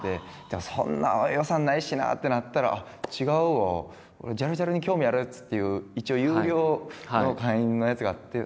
でもそんな予算ないしなってなったらあっ違うわ「ジャルジャルに興味ある奴」っていう一応有料の会員のやつがあって。